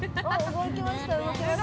動きました。